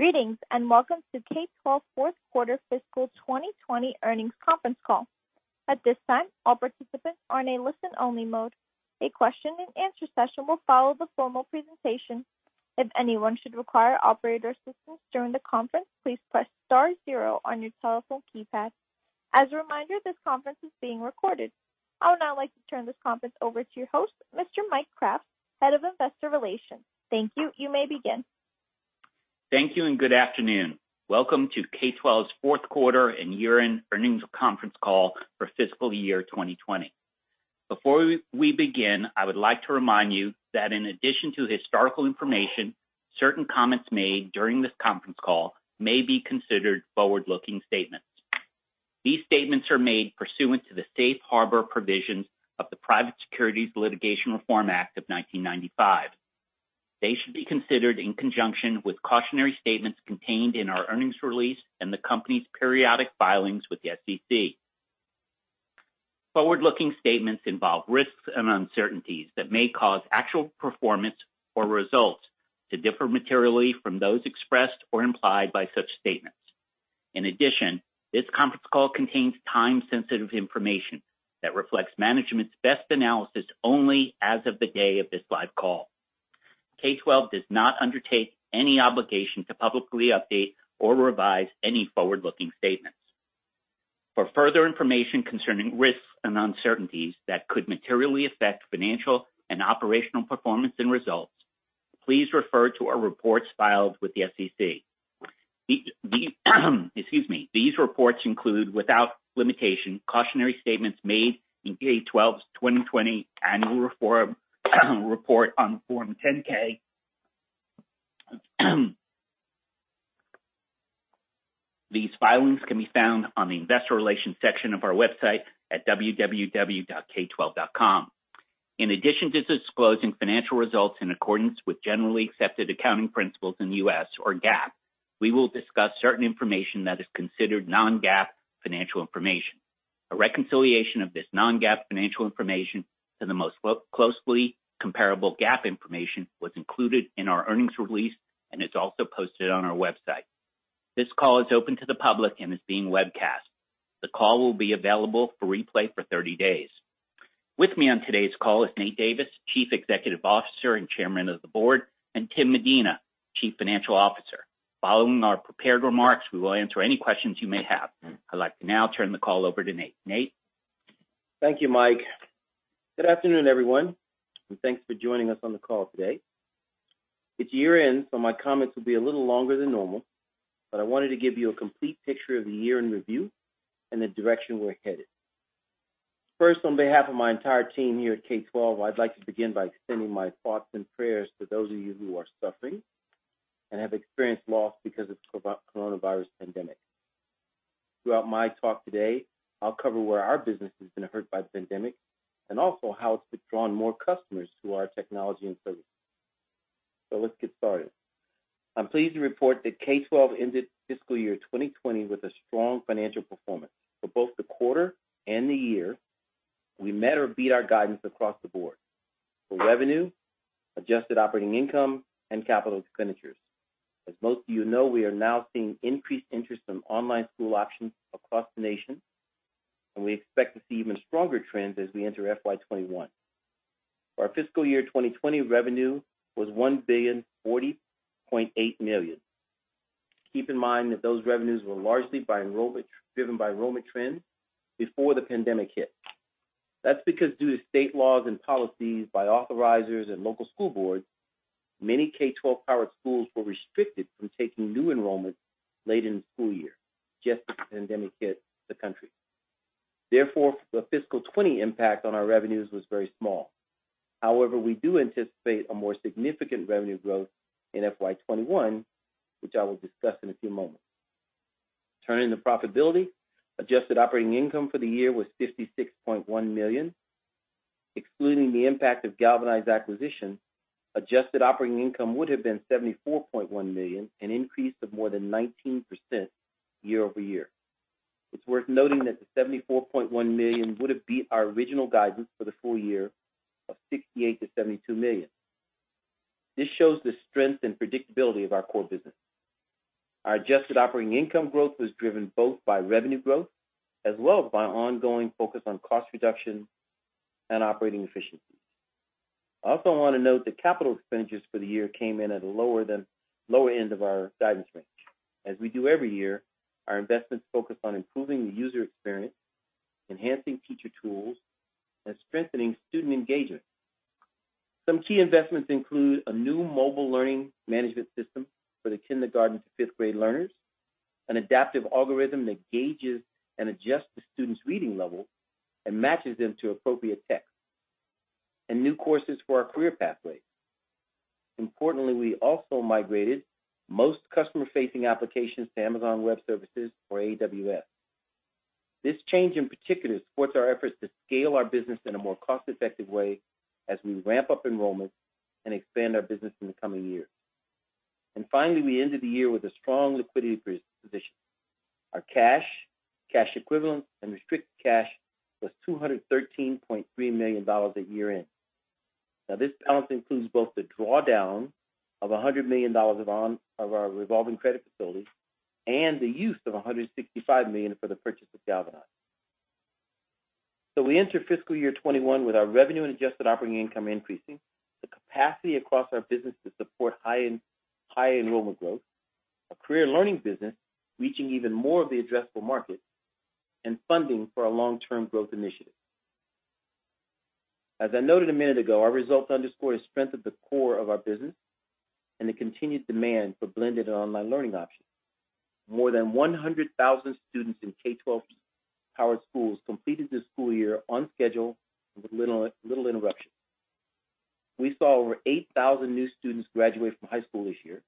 Greetings and welcome to K12 Fourth Quarter Fiscal 2020 Earnings Conference Call. At this time, all participants are in a listen-only mode. A question-and-answer session will follow the formal presentation. If anyone should require operator assistance during the conference, please press star zero on your telephone keypad. As a reminder, this conference is being recorded. I would now like to turn this conference over to your host, Mr. Mike Kraft, Head of Investor Relations. Thank you. You may begin. Thank you and good afternoon. Welcome to K12's Fourth Quarter and Year-end Earnings Conference Call for fiscal year 2020. Before we begin, I would like to remind you that in addition to historical information, certain comments made during this conference call may be considered forward-looking statements. These statements are made pursuant to the Safe Harbor Provisions of the Private Securities Litigation Reform Act of 1995. They should be considered in conjunction with cautionary statements contained in our earnings release and the company's periodic filings with the SEC. Forward-looking statements involve risks and uncertainties that may cause actual performance or results to differ materially from those expressed or implied by such statements. In addition, this conference call contains time-sensitive information that reflects management's best analysis only as of the day of this live call. K12 does not undertake any obligation to publicly update or revise any forward-looking statements. For further information concerning risks and uncertainties that could materially affect financial and operational performance and results, please refer to our reports filed with the SEC. Excuse me. These reports include, without limitation, cautionary statements made in K12's 2020 Annual Report on Form 10-K. These filings can be found on the Investor Relations section of our website at www.k12.com. In addition to disclosing financial results in accordance with generally accepted accounting principles in the U.S., or GAAP, we will discuss certain information that is considered non-GAAP financial information. A reconciliation of this non-GAAP financial information to the most closely comparable GAAP information was included in our earnings release and is also posted on our website. This call is open to the public and is being webcast. The call will be available for replay for 30 days. With me on today's call is Nate Davis, Chief Executive Officer and Chairman of the Board, and Tim Medina, Chief Financial Officer. Following our prepared remarks, we will answer any questions you may have. I'd like to now turn the call over to Nate. Nate. Thank you, Mike. Good afternoon, everyone, and thanks for joining us on the call today. It's year-end, so my comments will be a little longer than normal, but I wanted to give you a complete picture of the year-end review and the direction we're headed. First, on behalf of my entire team here at K12, I'd like to begin by extending my thoughts and prayers to those of you who are suffering and have experienced loss because of the coronavirus pandemic. Throughout my talk today, I'll cover where our business has been hurt by the pandemic and also how it's drawn more customers to our technology and services. So let's get started. I'm pleased to report that K12 ended fiscal year 2020 with a strong financial performance for both the quarter and the year. We met or beat our guidance across the board for revenue, adjusted operating income, and capital expenditures. As most of you know, we are now seeing increased interest in online school options across the nation, and we expect to see even stronger trends as we enter FY21. Our fiscal year 2020 revenue was $1,040.8 million. Keep in mind that those revenues were largely driven by enrollment trends before the pandemic hit. That's because, due to state laws and policies by authorizers and local school boards, many K12-powered schools were restricted from taking new enrollment late in the school year just as the pandemic hit the country. Therefore, the fiscal '20 impact on our revenues was very small. However, we do anticipate a more significant revenue growth in FY21, which I will discuss in a few moments. Turning to profitability, adjusted operating income for the year was $56.1 million. Excluding the impact of the Galvanize acquisition, adjusted operating income would have been $74.1 million, an increase of more than 19% year-over-year. It's worth noting that the $74.1 million would have beat our original guidance for the full year of $68-$72 million. This shows the strength and predictability of our core business. Our adjusted operating income growth was driven both by revenue growth as well as by ongoing focus on cost reduction and operating efficiency. I also want to note that capital expenditures for the year came in at a lower end of our guidance range. As we do every year, our investments focus on improving the user experience, enhancing teacher tools, and strengthening student engagement. Some key investments include a new mobile learning management system for the kindergarten to fifth-grade learners, an adaptive algorithm that gauges and adjusts the student's reading level and matches them to appropriate text, and new courses for our career pathways. Importantly, we also migrated most customer-facing applications to Amazon Web Services or AWS. This change, in particular, supports our efforts to scale our business in a more cost-effective way as we ramp up enrollment and expand our business in the coming years. And finally, we ended the year with a strong liquidity position. Our cash, cash equivalent, and restricted cash was $213.3 million at year-end. Now, this balance includes both the drawdown of $100 million of our revolving credit facility and the use of $165 million for the purchase of Galvanize. We enter fiscal year 2021 with our revenue and adjusted operating income increasing, the capacity across our business to support high enrollment growth, a career learning business reaching even more of the addressable market, and funding for our long-term growth initiatives. As I noted a minute ago, our results underscore the strength of the core of our business and the continued demand for blended and online learning options. More than 100,000 students in K12-powered schools completed this school year on schedule with little interruption. We saw over 8,000 new students graduate from high school this year,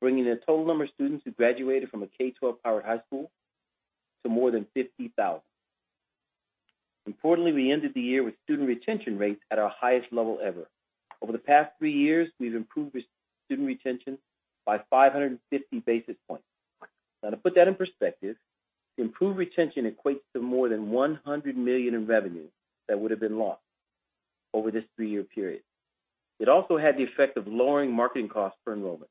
bringing the total number of students who graduated from a K12-powered high school to more than 50,000. Importantly, we ended the year with student retention rates at our highest level ever. Over the past three years, we've improved student retention by 550 basis points. Now, to put that in perspective, improved retention equates to more than $100 million in revenue that would have been lost over this three-year period. It also had the effect of lowering marketing costs for enrollment.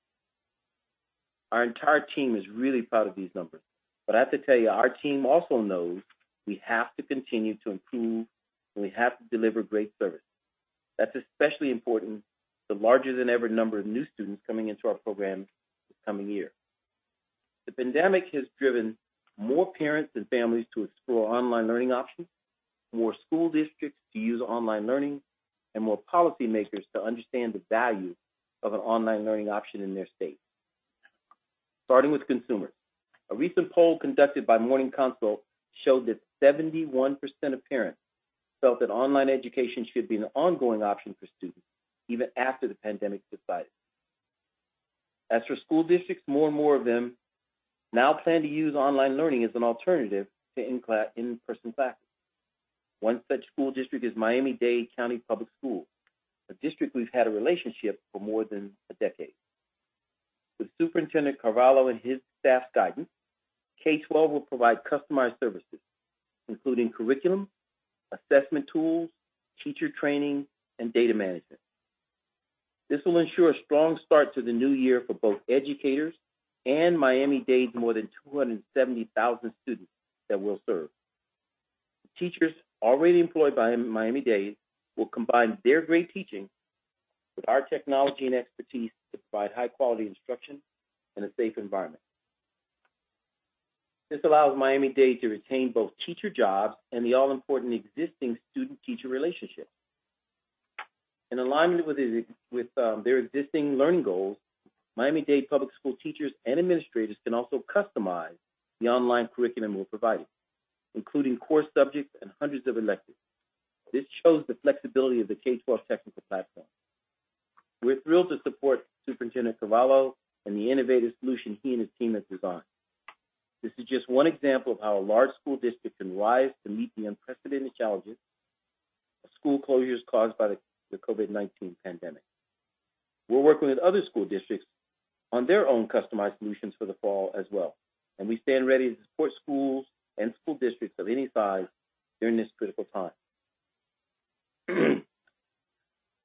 Our entire team is really proud of these numbers, but I have to tell you, our team also knows we have to continue to improve and we have to deliver great service. That's especially important with the larger-than-ever number of new students coming into our program this coming year. The pandemic has driven more parents and families to explore online learning options, more school districts to use online learning, and more policymakers to understand the value of an online learning option in their state. Starting with consumers, a recent poll conducted by Morning Consult showed that 71% of parents felt that online education should be an ongoing option for students even after the pandemic subsided. As for school districts, more and more of them now plan to use online learning as an alternative to in-person classes. One such school district is Miami-Dade County Public Schools, a district we've had a relationship for more than a decade. With Superintendent Carvalho and his staff's guidance, K12 will provide customized services, including curriculum, assessment tools, teacher training, and data management. This will ensure a strong start to the new year for both educators and Miami-Dade's more than 270,000 students that we'll serve. Teachers already employed by Miami-Dade will combine their great teaching with our technology and expertise to provide high-quality instruction in a safe environment. This allows Miami-Dade to retain both teacher jobs and the all-important existing student-teacher relationship. In alignment with their existing learning goals, Miami-Dade County Public Schools teachers and administrators can also customize the online curriculum we'll provide, including core subjects and hundreds of electives. This shows the flexibility of the K12 technical platform. We're thrilled to support Superintendent Carvalho and the innovative solution he and his team have designed. This is just one example of how a large school district can rise to meet the unprecedented challenges of school closures caused by the COVID-19 pandemic. We're working with other school districts on their own customized solutions for the fall as well, and we stand ready to support schools and school districts of any size during this critical time.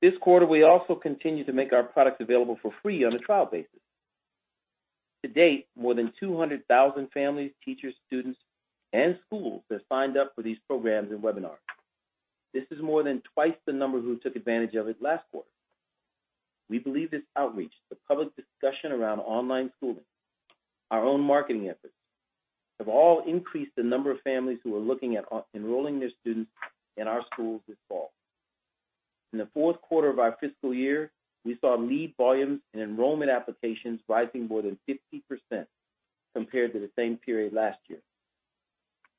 This quarter, we also continue to make our products available for free on a trial basis. To date, more than 200,000 families, teachers, students, and schools have signed up for these programs and webinars. This is more than twice the number who took advantage of it last quarter. We believe this outreach, the public discussion around online schooling, and our own marketing efforts have all increased the number of families who are looking at enrolling their students in our schools this fall. In the fourth quarter of our fiscal year, we saw lead volumes and enrollment applications rising more than 50% compared to the same period last year.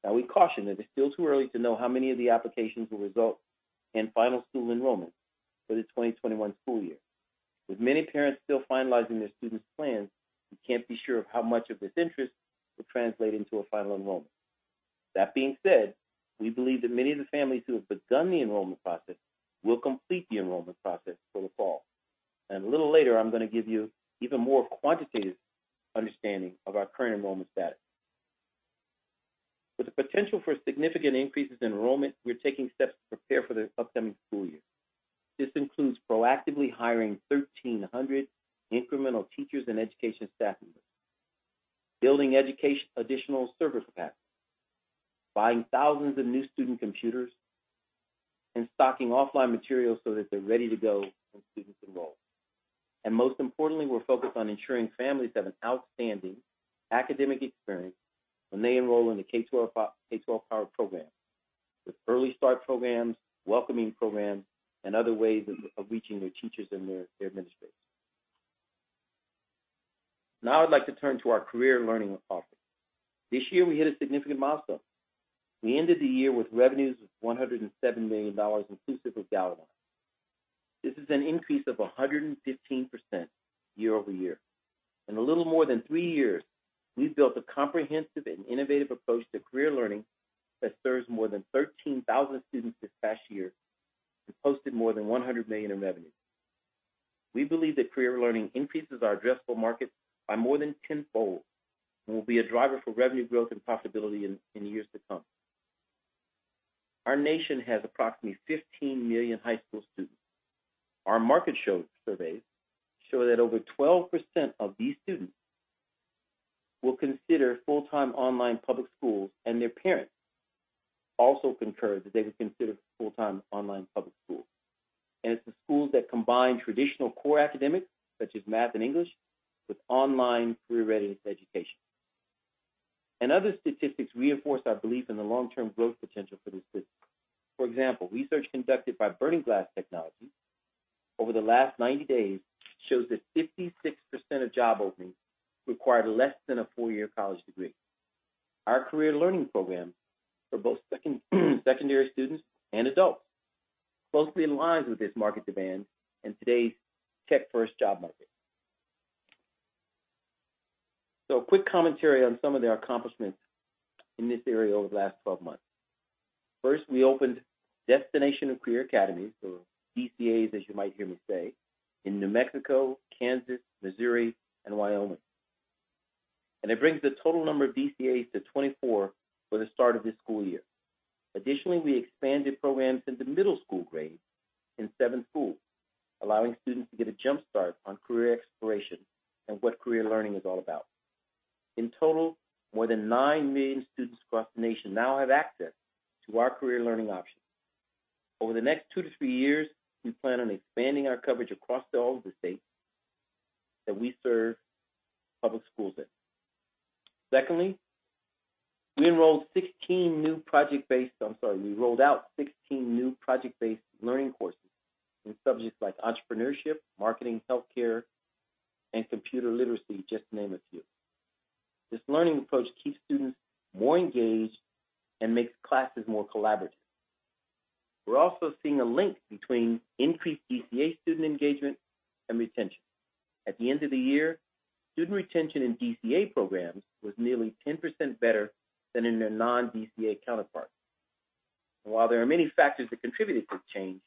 Now, we caution that it's still too early to know how many of the applications will result in final school enrollment for the 2021 school year. With many parents still finalizing their students' plans, we can't be sure of how much of this interest will translate into a final enrollment. That being said, we believe that many of the families who have begun the enrollment process will complete the enrollment process for the fall, and a little later, I'm going to give you even more quantitative understanding of our current enrollment status. With the potential for significant increases in enrollment, we're taking steps to prepare for the upcoming school year. This includes proactively hiring 1,300 incremental teachers and education staff members, building additional service paths, buying thousands of new student computers, and stocking offline materials so that they're ready to go when students enroll, and most importantly, we're focused on ensuring families have an outstanding academic experience when they enroll in the K12-powered program, with early start programs, welcoming programs, and other ways of reaching their teachers and their administrators. Now, I'd like to turn to our career learning offerings. This year, we hit a significant milestone. We ended the year with revenues of $107 million inclusive of Galvanize. This is an increase of 115% year-over-year. In a little more than three years, we've built a comprehensive and innovative approach to career learning that serves more than 13,000 students this past year and posted more than $100 million in revenue. We believe that career learning increases our addressable market by more than tenfold and will be a driver for revenue growth and profitability in years to come. Our nation has approximately 15 million high school students. Our market surveys show that over 12% of these students will consider full-time online public schools, and their parents also concur that they would consider full-time online public schools, and it's the schools that combine traditional core academics, such as math and English, with online career-readiness education. And other statistics reinforce our belief in the long-term growth potential for this field. For example, research conducted by Burning Glass Technologies over the last 90 days shows that 56% of job openings required less than a four-year college degree. Our Career Learning programs for both secondary students and adults closely align with this market demand and today's tech-first job market. So a quick commentary on some of the accomplishments in this area over the last 12 months. First, we opened Destinations Career Academies, or DCAs, as you might hear me say, in New Mexico, Kansas, Missouri, and Wyoming. And it brings the total number of DCAs to 24 for the start of this school year. Additionally, we expanded programs into middle school grades in seven schools, allowing students to get a jumpstart on career exploration and what Career Learning is all about. In total, more than nine million students across the nation now have access to our career learning options. Over the next two to three years, we plan on expanding our coverage across all of the states that we serve public schools in. Secondly, we enrolled 16 new project-based - I'm sorry, we rolled out 16 new project-based learning courses in subjects like entrepreneurship, marketing, healthcare, and computer literacy, just to name a few. This learning approach keeps students more engaged and makes classes more collaborative. We're also seeing a link between increased DCA student engagement and retention. At the end of the year, student retention in DCA programs was nearly 10% better than in their non-DCA counterparts, and while there are many factors that contributed to the change,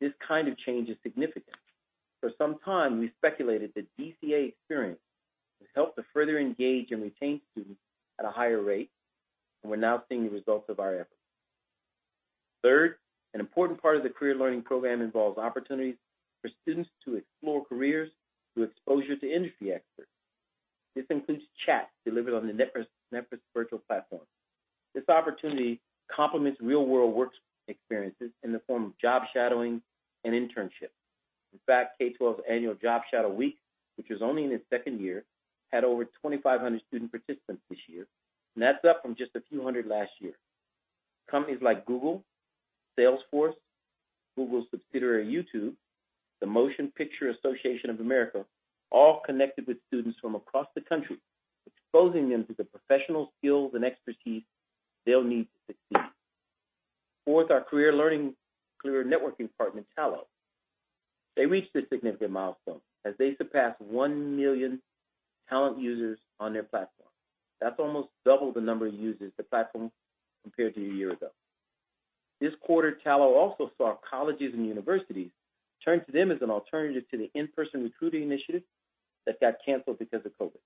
this kind of change is significant. For some time, we speculated that DCA experience would help to further engage and retain students at a higher rate, and we're now seeing the results of our efforts. Third, an important part of the career learning program involves opportunities for students to explore careers through exposure to industry experts. This includes chats delivered on the Nepris's virtual platform. This opportunity complements real-world work experiences in the form of job shadowing and internships. In fact, K12's annual job shadow week, which was only in its second year, had over 2,500 student participants this year, and that's up from just a few hundred last year. Companies like Google, Salesforce, Google's subsidiary YouTube, and the Motion Picture Association of America all connected with students from across the country, exposing them to the professional skills and expertise they'll need to succeed. Fourth, our career learning career networking partner, Tallo, they reached a significant milestone as they surpassed 1 million talent users on their platform. That's almost double the number of users the platform compared to a year ago. This quarter, Tallo also saw colleges and universities turn to them as an alternative to the in-person recruiting initiative that got canceled because of COVID.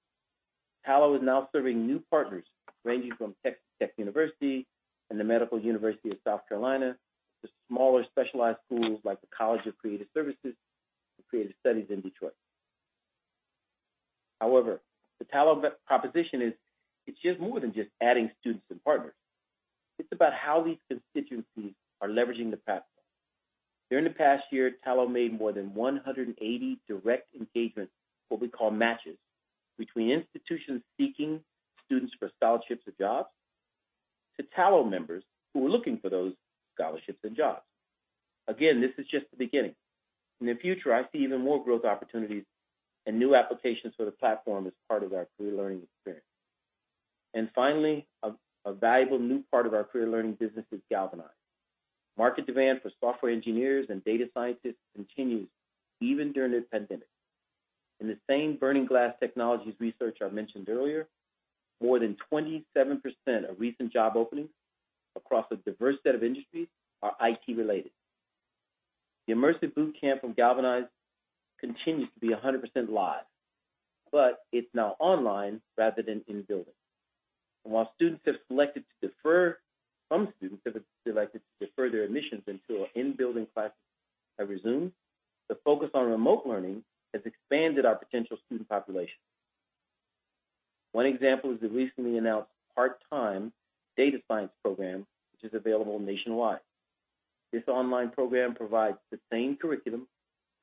Tallo is now serving new partners ranging from Texas Tech University and the Medical University of South Carolina to smaller specialized schools like the College for Creative Studies in Detroit. However, the Tallo proposition is it's just more than just adding students and partners. It's about how these constituencies are leveraging the platform. During the past year, Tallo made more than 180 direct engagements, what we call matches, between institutions seeking students for scholarships or jobs to Tallo members who are looking for those scholarships and jobs. Again, this is just the beginning. In the future, I see even more growth opportunities and new applications for the platform as part of our career learning experience. And finally, a valuable new part of our career learning business is Galvanize. Market demand for software engineers and data scientists continues even during this pandemic. In the same Burning Glass Technologies research I mentioned earlier, more than 27% of recent job openings across a diverse set of industries are IT-related. The immersive bootcamp from Galvanize continues to be 100% live, but it's now online rather than in-building. While students have selected to defer (some students have elected to defer their admissions until in-building classes have resumed), the focus on remote learning has expanded our potential student population. One example is the recently announced part-time data science program, which is available nationwide. This online program provides the same curriculum,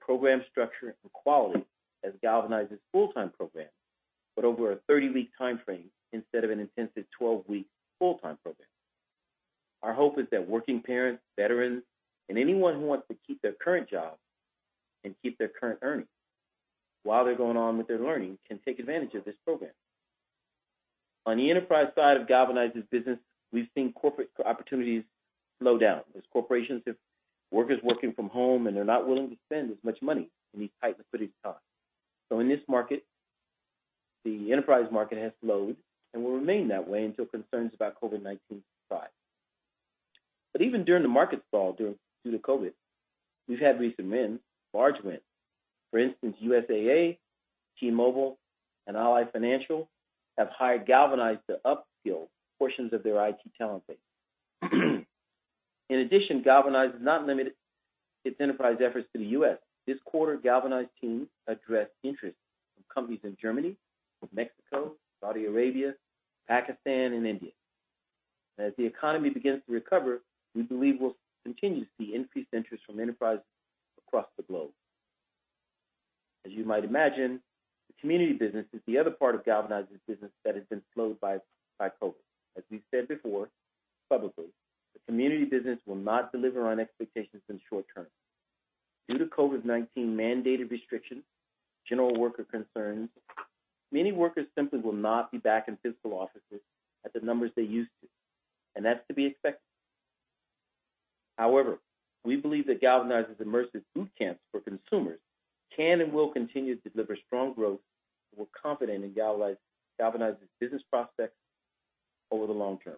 program structure, and quality as Galvanize's full-time program, but over a 30-week timeframe instead of an intensive 12-week full-time program. Our hope is that working parents, veterans, and anyone who wants to keep their current job and keep their current earnings while they're going on with their learning can take advantage of this program. On the enterprise side of Galvanize's business, we've seen corporate opportunities slow down as corporations have workers working from home, and they're not willing to spend as much money in these tight-fisted times. In this market, the enterprise market has slowed and will remain that way until concerns about COVID-19 subside. But even during the market stall due to COVID, we've had recent wins, large wins. For instance, USAA, T-Mobile, and Ally Financial have hired Galvanize to upskill portions of their IT talent base. In addition, Galvanize has not limited its enterprise efforts to the U.S. This quarter, Galvanize teams addressed interests from companies in Germany, Mexico, Saudi Arabia, Pakistan, and India. As the economy begins to recover, we believe we'll continue to see increased interest from enterprises across the globe. As you might imagine, the community business is the other part of Galvanize's business that has been slowed by COVID. As we've said before publicly, the community business will not deliver on expectations in the short term. Due to COVID-19 mandated restrictions, general worker concerns, many workers simply will not be back in physical offices at the numbers they used to, and that's to be expected. However, we believe that Galvanize's immersive bootcamps for consumers can and will continue to deliver strong growth, and we're confident in Galvanize's business prospects over the long term.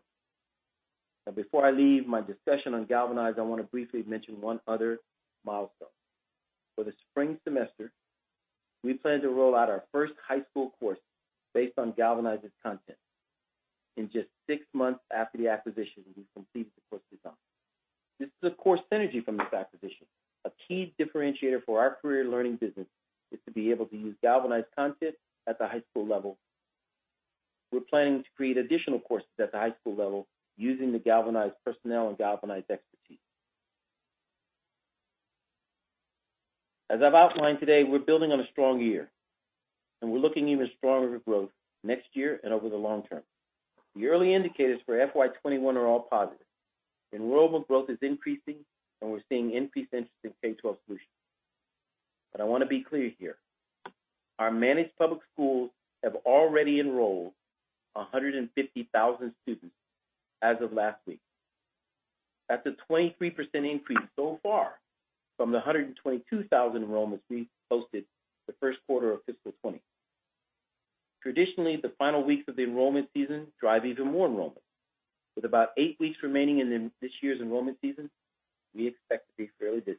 Now, before I leave my discussion on Galvanize, I want to briefly mention one other milestone. For the spring semester, we plan to roll out our first high school course based on Galvanize's content. In just six months after the acquisition, we've completed the course design. This is a core synergy from this acquisition. A key differentiator for our career learning business is to be able to use Galvanize content at the high school level. We're planning to create additional courses at the high school level using the Galvanize personnel and Galvanize expertise. As I've outlined today, we're building on a strong year, and we're looking even stronger for growth next year and over the long term. The early indicators for FY21 are all positive. Enrollment growth is increasing, and we're seeing increased interest in K12 Solutions. But I want to be clear here. Our managed public schools have already enrolled 150,000 students as of last week. That's a 23% increase so far from the 122,000 enrollments we posted the first quarter of fiscal 20. Traditionally, the final weeks of the enrollment season drive even more enrollment. With about eight weeks remaining in this year's enrollment season, we expect to be fairly busy.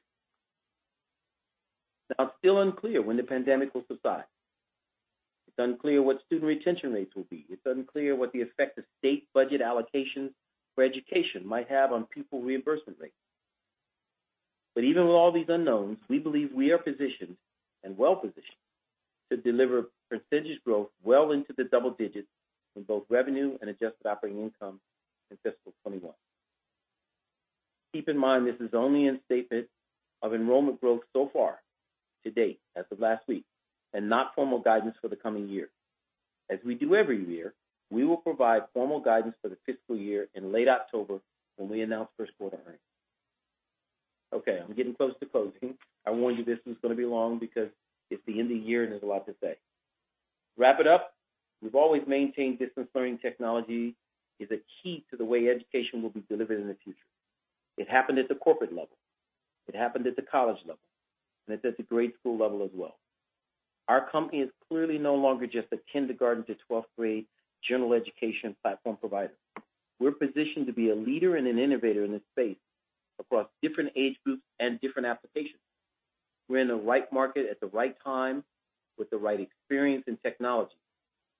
Now, it's still unclear when the pandemic will subside. It's unclear what student retention rates will be. It's unclear what the effect of state budget allocations for education might have on pupil reimbursement rates. But even with all these unknowns, we believe we are positioned and well-positioned to deliver percentage growth well into the double digits in both revenue and adjusted operating income in fiscal 2021. Keep in mind, this is only in statement of enrollment growth so far to date as of last week and not formal guidance for the coming year. As we do every year, we will provide formal guidance for the fiscal year in late October when we announce first quarter earnings. Okay, I'm getting close to closing. I warned you this was going to be long because it's the end of the year and there's a lot to say. Wrap it up. We've always maintained distance learning technology is a key to the way education will be delivered in the future. It happened at the corporate level. It happened at the college level, and it's at the grade school level as well. Our company is clearly no longer just a kindergarten to 12th grade general education platform provider. We're positioned to be a leader and an innovator in this space across different age groups and different applications. We're in the right market at the right time with the right experience and technology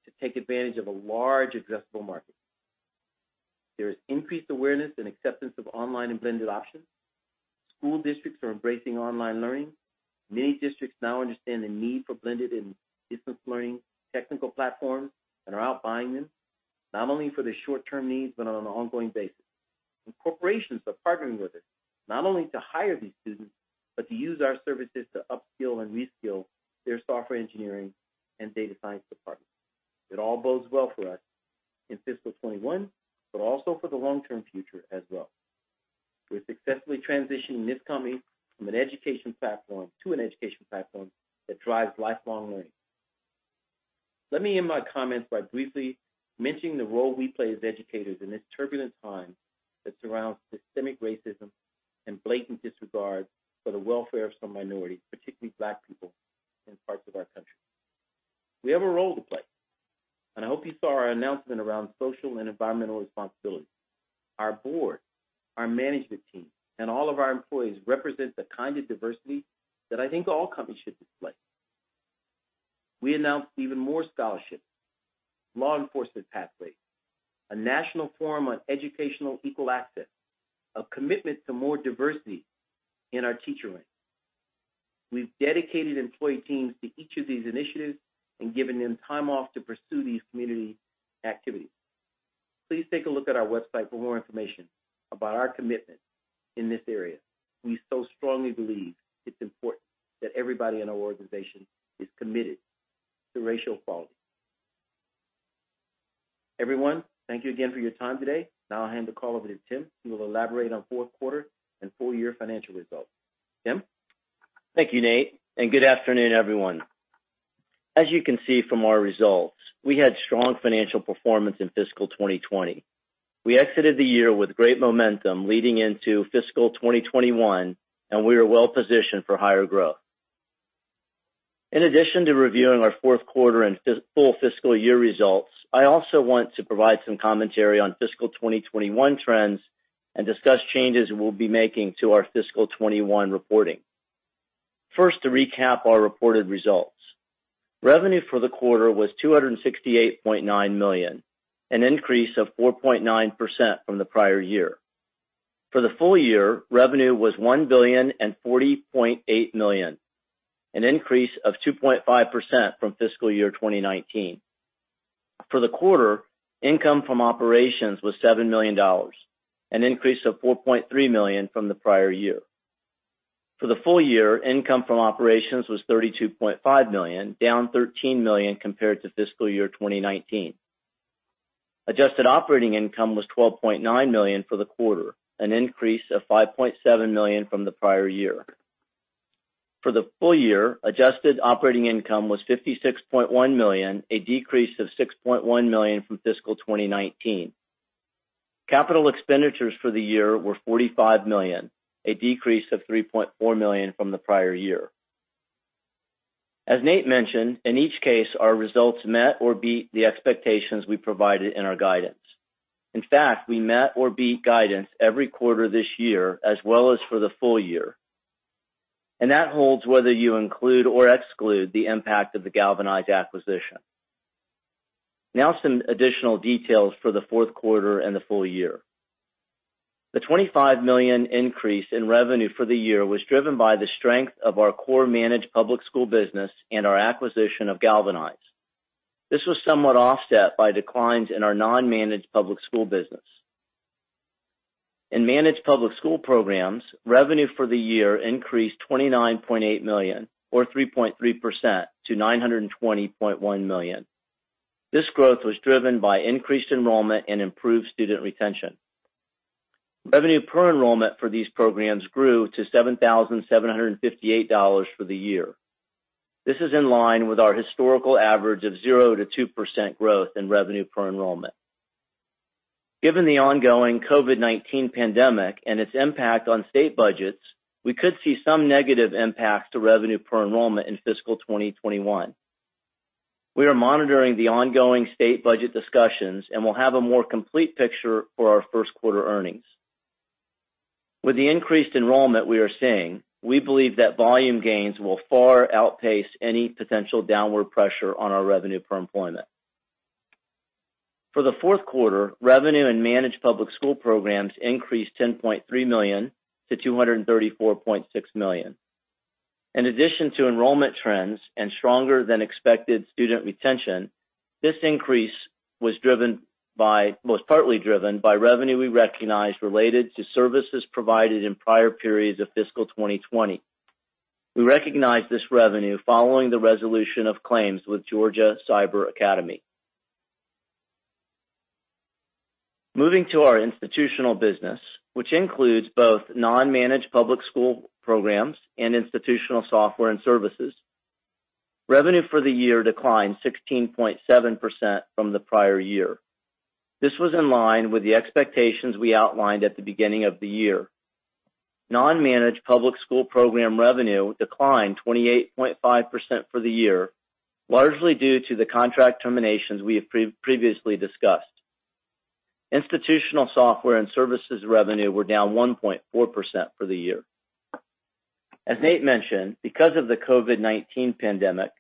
to take advantage of a large addressable market. There is increased awareness and acceptance of online and blended options. School districts are embracing online learning. Many districts now understand the need for blended and distance learning technical platforms and are out buying them not only for their short-term needs but on an ongoing basis, and corporations are partnering with us not only to hire these students but to use our services to upskill and reskill their software engineering and data science departments. It all bodes well for us in fiscal 2021, but also for the long-term future as well. We're successfully transitioning this company from an education platform to an education platform that drives lifelong learning. Let me end my comments by briefly mentioning the role we play as educators in this turbulent time that surrounds systemic racism and blatant disregard for the welfare of some minorities, particularly Black people in parts of our country. We have a role to play, and I hope you saw our announcement around social and environmental responsibility. Our board, our management team, and all of our employees represent the kind of diversity that I think all companies should display. We announced even more scholarships, law enforcement pathways, a national forum on educational equal access, a commitment to more diversity in our teacher ranks. We've dedicated employee teams to each of these initiatives and given them time off to pursue these community activities. Please take a look at our website for more information about our commitment in this area. We so strongly believe it's important that everybody in our organization is committed to racial equality. Everyone, thank you again for your time today. Now I'll hand the call over to Tim. He will elaborate on fourth quarter and full-year financial results. Tim? Thank you, Nate. And good afternoon, everyone. As you can see from our results, we had strong financial performance in fiscal 2020. We exited the year with great momentum leading into fiscal 2021, and we are well-positioned for higher growth. In addition to reviewing our fourth quarter and full fiscal year results, I also want to provide some commentary on fiscal 2021 trends and discuss changes we'll be making to our fiscal 21 reporting. First, to recap our reported results. Revenue for the quarter was $268.9 million, an increase of 4.9% from the prior year. For the full year, revenue was $1 billion and $40.8 million, an increase of 2.5% from fiscal year 2019. For the quarter, income from operations was $7 million, an increase of $4.3 million from the prior year. For the full year, income from operations was $32.5 million, down $13 million compared to fiscal year 2019. Adjusted operating income was $12.9 million for the quarter, an increase of $5.7 million from the prior year. For the full year, adjusted operating income was $56.1 million, a decrease of $6.1 million from fiscal 2019. Capital expenditures for the year were $45 million, a decrease of $3.4 million from the prior year. As Nate mentioned, in each case, our results met or beat the expectations we provided in our guidance. In fact, we met or beat guidance every quarter this year as well as for the full year. That holds whether you include or exclude the impact of the Galvanize acquisition. Now, some additional details for the fourth quarter and the full year. The $25 million increase in revenue for the year was driven by the strength of our core managed public school business and our acquisition of Galvanize. This was somewhat offset by declines in our non-managed public school business. In managed public school programs, revenue for the year increased $29.8 million, or 3.3%, to $920.1 million. This growth was driven by increased enrollment and improved student retention. Revenue per enrollment for these programs grew to $7,758 for the year. This is in line with our historical average of 0-2% growth in revenue per enrollment. Given the ongoing COVID-19 pandemic and its impact on state budgets, we could see some negative impacts to revenue per enrollment in fiscal 2021. We are monitoring the ongoing state budget discussions and will have a more complete picture for our first quarter earnings. With the increased enrollment we are seeing, we believe that volume gains will far outpace any potential downward pressure on our revenue per enrollment. For the fourth quarter, revenue in managed public school programs increased $10.3 million-$234.6 million. In addition to enrollment trends and stronger-than-expected student retention, this increase was driven by revenue we recognized related to services provided in prior periods of fiscal 2020. We recognized this revenue following the resolution of claims with Georgia Cyber Academy. Moving to our institutional business, which includes both non-managed public school programs and institutional software and services, revenue for the year declined 16.7% from the prior year. This was in line with the expectations we outlined at the beginning of the year. Non-managed public school program revenue declined 28.5% for the year, largely due to the contract terminations we have previously discussed. Institutional software and services revenue were down 1.4% for the year. As Nate mentioned, because of the COVID-19 pandemic,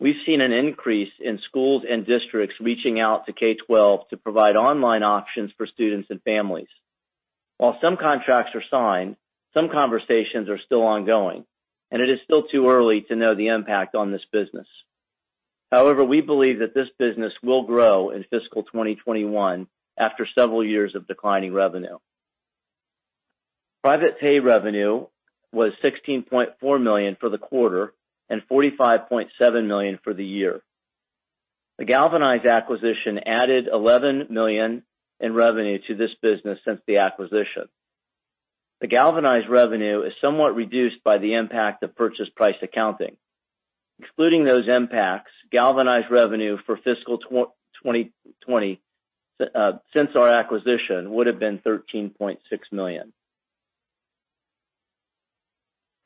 we've seen an increase in schools and districts reaching out to K12 to provide online options for students and families. While some contracts are signed, some conversations are still ongoing, and it is still too early to know the impact on this business. However, we believe that this business will grow in fiscal 2021 after several years of declining revenue. Private pay revenue was $16.4 million for the quarter and $45.7 million for the year. The Galvanize acquisition added $11 million in revenue to this business since the acquisition. The Galvanize revenue is somewhat reduced by the impact of purchase price accounting. Excluding those impacts, Galvanize revenue for fiscal 2020 since our acquisition would have been $13.6 million.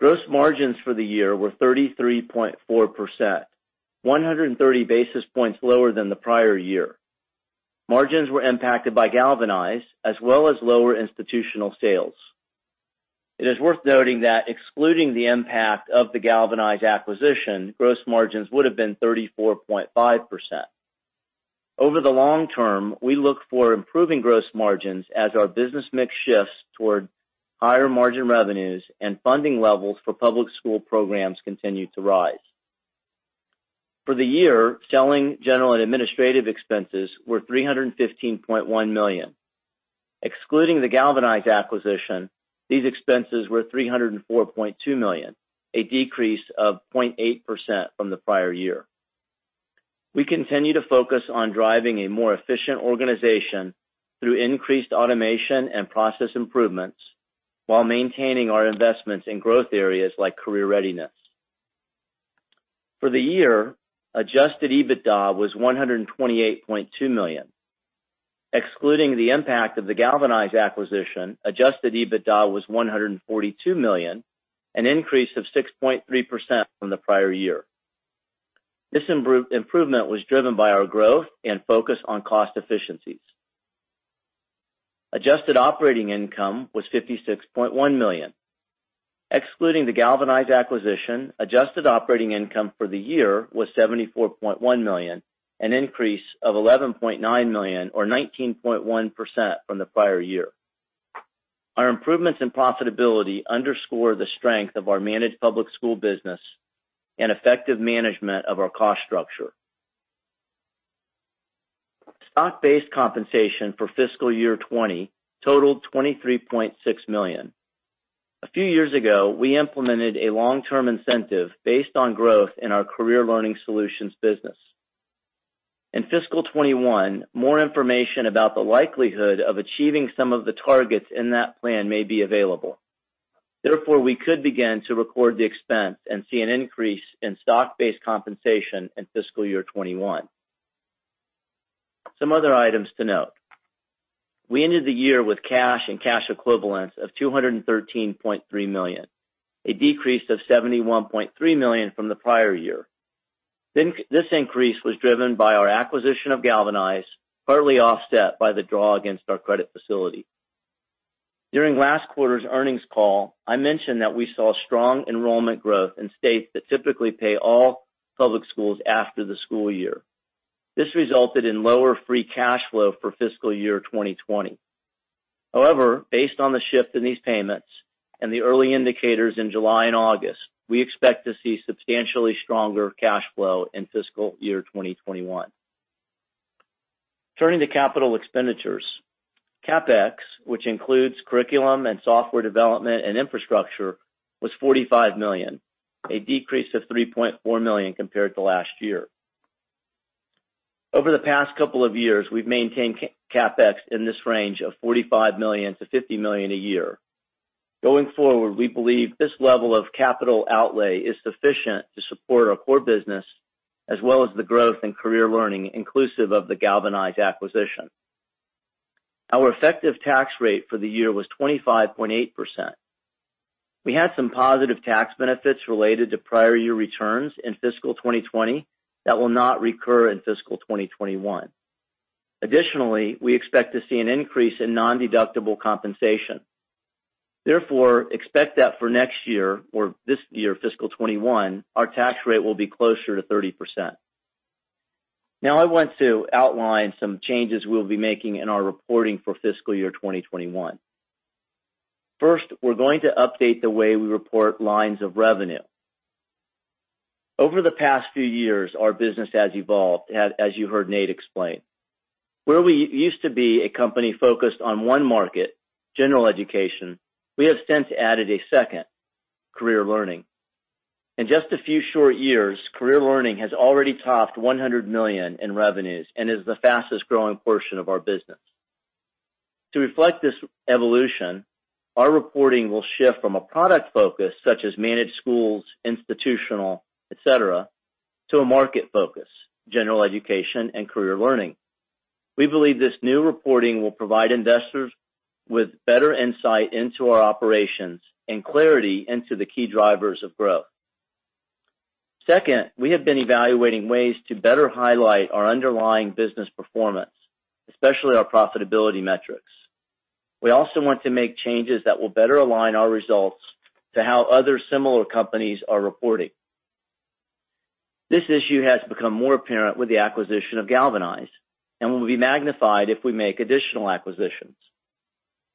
Gross margins for the year were 33.4%, 130 basis points lower than the prior year. Margins were impacted by Galvanize as well as lower institutional sales. It is worth noting that excluding the impact of the Galvanize acquisition, gross margins would have been 34.5%. Over the long term, we look for improving gross margins as our business mix shifts toward higher margin revenues and funding levels for public school programs continue to rise. For the year, selling, general and administrative expenses were $315.1 million. Excluding the Galvanize acquisition, these expenses were $304.2 million, a decrease of 0.8% from the prior year. We continue to focus on driving a more efficient organization through increased automation and process improvements while maintaining our investments in growth areas like career readiness. For the year, Adjusted EBITDA was $128.2 million. Excluding the impact of the Galvanize acquisition, Adjusted EBITDA was $142 million, an increase of 6.3% from the prior year. This improvement was driven by our growth and focus on cost efficiencies. Adjusted operating income was $56.1 million. Excluding the Galvanize acquisition, adjusted operating income for the year was $74.1 million, an increase of $11.9 million, or 19.1% from the prior year. Our improvements in profitability underscore the strength of our managed public school business and effective management of our cost structure. Stock-based compensation for fiscal year 2020 totaled $23.6 million. A few years ago, we implemented a long-term incentive based on growth in our career learning solutions business. In fiscal 2021, more information about the likelihood of achieving some of the targets in that plan may be available. Therefore, we could begin to record the expense and see an increase in stock-based compensation in fiscal year 2021. Some other items to note. We ended the year with cash and cash equivalents of $213.3 million, a decrease of $71.3 million from the prior year. This increase was driven by our acquisition of Galvanize, partly offset by the draw against our credit facility. During last quarter's earnings call, I mentioned that we saw strong enrollment growth in states that typically pay all public schools after the school year. This resulted in lower free cash flow for fiscal year 2020. However, based on the shift in these payments and the early indicators in July and August, we expect to see substantially stronger cash flow in fiscal year 2021. Turning to capital expenditures, CapEx, which includes curriculum and software development and infrastructure, was $45 million, a decrease of $3.4 million compared to last year. Over the past couple of years, we've maintained CapEx in this range of $45 million-$50 million a year. Going forward, we believe this level of capital outlay is sufficient to support our core business as well as the growth in career learning inclusive of the Galvanize acquisition. Our effective tax rate for the year was 25.8%. We had some positive tax benefits related to prior year returns in fiscal 2020 that will not recur in fiscal 2021. Additionally, we expect to see an increase in non-deductible compensation. Therefore, expect that for next year or this year, fiscal 21, our tax rate will be closer to 30%. Now, I want to outline some changes we'll be making in our reporting for fiscal year 2021. First, we're going to update the way we report lines of revenue. Over the past few years, our business has evolved, as you heard Nate explain. Where we used to be a company focused on one market, general education, we have since added a second, career learning. In just a few short years, career learning has already topped $100 million in revenues and is the fastest-growing portion of our business. To reflect this evolution, our reporting will shift from a product focus, such as managed schools, institutional, etc., to a market focus, general education and career learning. We believe this new reporting will provide investors with better insight into our operations and clarity into the key drivers of growth. Second, we have been evaluating ways to better highlight our underlying business performance, especially our profitability metrics. We also want to make changes that will better align our results to how other similar companies are reporting. This issue has become more apparent with the acquisition of Galvanize and will be magnified if we make additional acquisitions.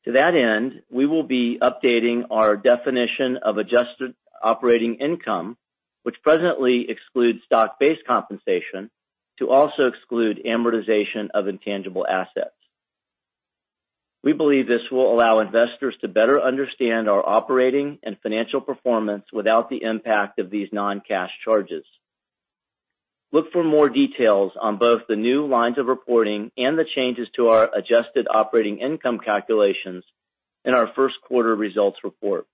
To that end, we will be updating our definition of adjusted operating income, which presently excludes stock-based compensation, to also exclude amortization of intangible assets. We believe this will allow investors to better understand our operating and financial performance without the impact of these non-cash charges. Look for more details on both the new lines of reporting and the changes to our adjusted operating income calculations in our first quarter results report.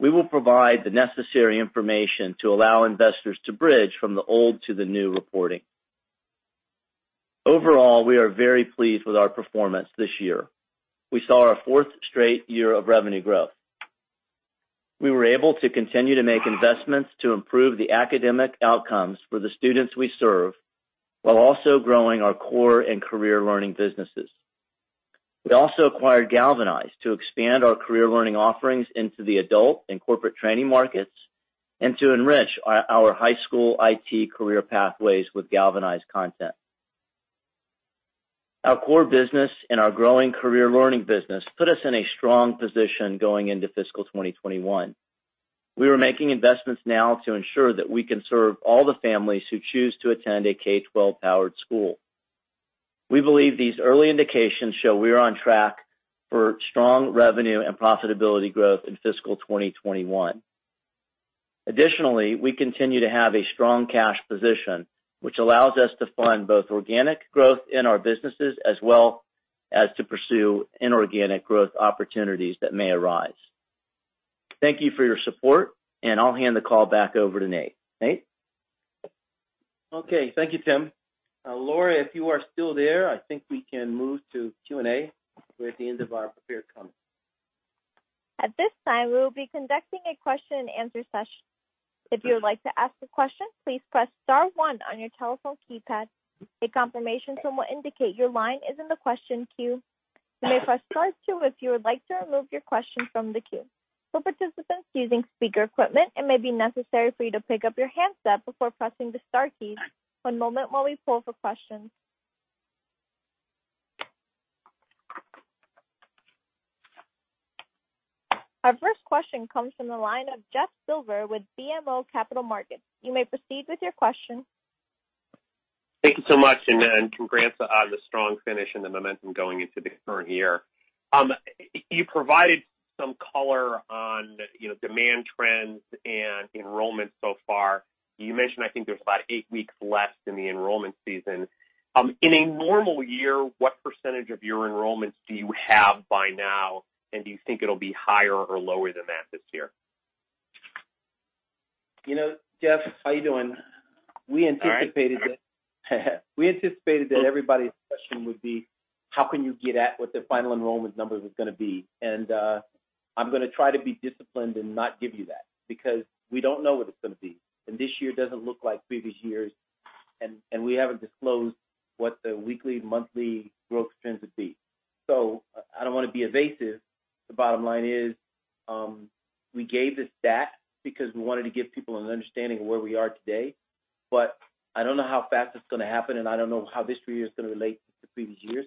We will provide the necessary information to allow investors to bridge from the old to the new reporting. Overall, we are very pleased with our performance this year. We saw our fourth straight year of revenue growth. We were able to continue to make investments to improve the academic outcomes for the students we serve while also growing our core and career learning businesses. We also acquired Galvanize to expand our career learning offerings into the adult and corporate training markets and to enrich our high school IT career pathways with Galvanize content. Our core business and our growing career learning business put us in a strong position going into fiscal 2021. We are making investments now to ensure that we can serve all the families who choose to attend a K12 powered school. We believe these early indications show we are on track for strong revenue and profitability growth in fiscal 2021. Additionally, we continue to have a strong cash position, which allows us to fund both organic growth in our businesses as well as to pursue inorganic growth opportunities that may arise. Thank you for your support, and I'll hand the call back over to Nate. Nate? Okay. Thank you, Tim. Laura, if you are still there, I think we can move to Q&A. We're at the end of our prepared comments. At this time, we will be conducting a question-and-answer session. If you would like to ask a question, please press star one on your telephone keypad. A confirmation will indicate your line is in the question queue. You may press star two if you would like to remove your question from the queue. For participants using speaker equipment, it may be necessary for you to pick up your handset before pressing the star key. One moment while we pull for questions. Our first question comes from the line of Jeff Silber with BMO Capital Markets. You may proceed with your question. Thank you so much and congrats on the strong finish and the momentum going into the current year. You provided some color on demand trends and enrollment so far. You mentioned, I think there's about eight weeks left in the enrollment season. In a normal year, what percentage of your enrollments do you have by now, and do you think it'll be higher or lower than that this year? Jeff, how are you doing? We anticipated that everybody's question would be, how can you get at what the final enrollment number is going to be? And I'm going to try to be disciplined and not give you that because we don't know what it's going to be. And this year doesn't look like previous years, and we haven't disclosed what the weekly, monthly growth trends would be. So I don't want to be evasive. The bottom line is we gave this stat because we wanted to give people an understanding of where we are today. But I don't know how fast it's going to happen, and I don't know how this year is going to relate to the previous years.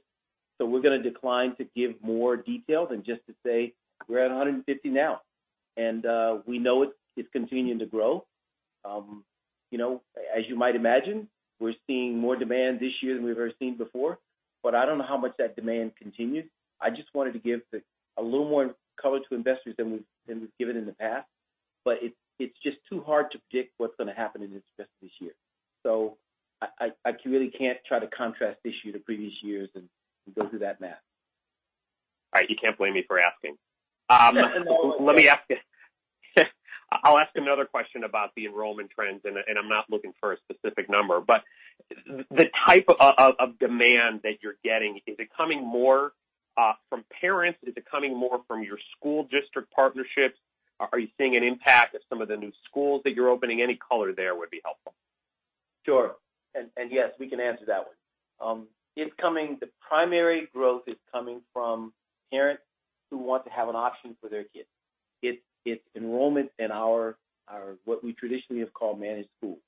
So we're going to decline to give more detail than just to say we're at 150 now, and we know it's continuing to grow. As you might imagine, we're seeing more demand this year than we've ever seen before. But I don't know how much that demand continues. I just wanted to give a little more color to investors than we've given in the past, but it's just too hard to predict what's going to happen in the rest of this year. So I really can't try to contrast this year to previous years and go through that math. All right. You can't blame me for asking. Let me ask you. I'll ask another question about the enrollment trends, and I'm not looking for a specific number. But the type of demand that you're getting, is it coming more from parents? Is it coming more from your school district partnerships? Are you seeing an impact of some of the new schools that you're opening? Any color there would be helpful. Sure, and yes, we can answer that one. The primary growth is coming from parents who want to have an option for their kids. It's enrollment in what we traditionally have called managed schools,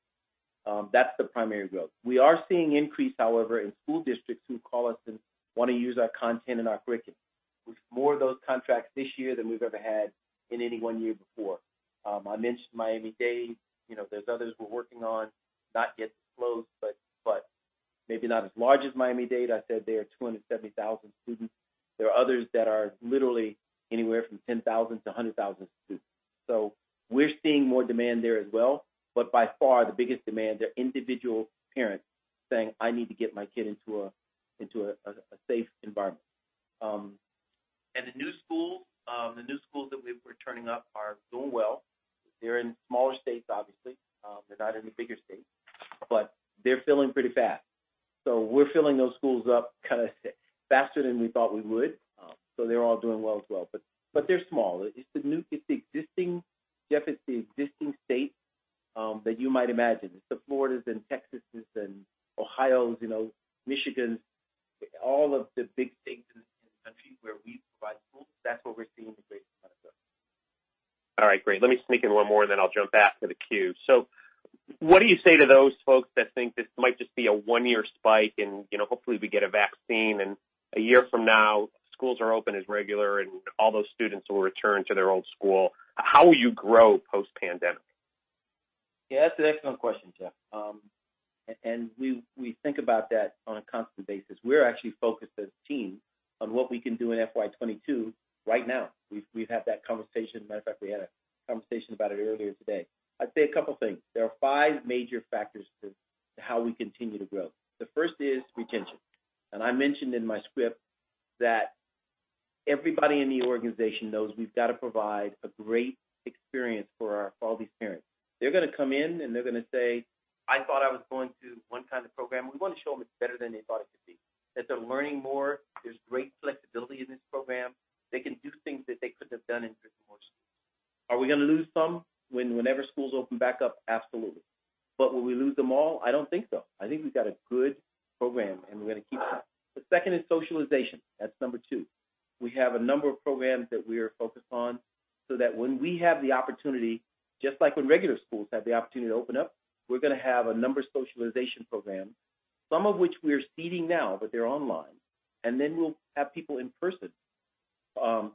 that's the primary growth. We are seeing an increase, however, in school districts who call us and want to use our content and our curriculum. We have more of those contracts this year than we've ever had in any one year before. I mentioned Miami-Dade. There's others we're working on, not yet disclosed, but maybe not as large as Miami-Dade. I said they are 270,000 students. There are others that are literally anywhere from 10,000-100,000 students, so we're seeing more demand there as well, but by far, the biggest demand is individual parents saying, "I need to get my kid into a safe environment," and the new schools that we're turning up are doing well. They're in smaller states, obviously, they're not in the bigger states, but they're filling pretty fast. So we're filling those schools up kind of faster than we thought we would. So they're all doing well as well. But they're small. It's the existing, Jeff. It's the existing states that you might imagine. It's the Floridas and Texases and Ohios, Michigans, all of the big states in the country where we provide schools. That's where we're seeing the greatest amount of growth. All right. Great. Let me sneak in one more, and then I'll jump back to the queue. So what do you say to those folks that think this might just be a one-year spike and hopefully we get a vaccine and a year from now schools are open as regular and all those students will return to their old school? How will you grow post-pandemic? Yeah, that's an excellent question, Jeff. And we think about that on a constant basis. We're actually focused as a team on what we can do in FY22 right now. We've had that conversation. As a matter of fact, we had a conversation about it earlier today. I'd say a couple of things. There are five major factors to how we continue to grow. The first is retention. And I mentioned in my script that everybody in the organization knows we've got to provide a great experience for all these parents. They're going to come in and they're going to say, "I thought I was going to one kind of program." We want to show them it's better than they thought it could be. That they're learning more. There's great flexibility in this program. They can do things that they couldn't have done in more schools. Are we going to lose some? Whenever schools open back up, absolutely. But will we lose them all? I don't think so. I think we've got a good program and we're going to keep them. The second is socialization. That's number two. We have a number of programs that we are focused on so that when we have the opportunity, just like when regular schools have the opportunity to open up, we're going to have a number of socialization programs, some of which we are seeding now, but they're online, and then we'll have people in person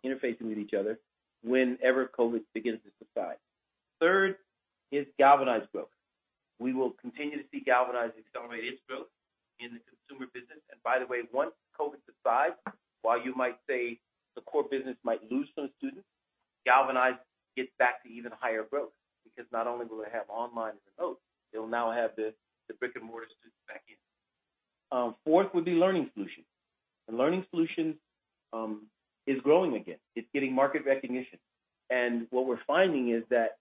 interfacing with each other whenever COVID begins to subside. Third is Galvanize growth. We will continue to see Galvanize accelerate its growth in the consumer business, and by the way, once COVID subsides, while you might say the core business might lose some students, Galvanize gets back to even higher growth because not only will they have online and remote, they'll now have the brick-and-mortar students back in. Fourth would be Learning Solutions. And Learning Solutions is growing again. It's getting market recognition. And what we're finding is that